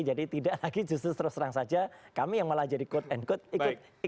jadi tidak lagi justru terus terang saja kami yang malah jadi code and code